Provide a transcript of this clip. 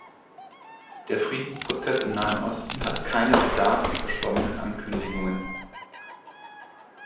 Der Friedensprozess im Nahen Osten hat keine Bedarf an verschwommenen Ankündigungen.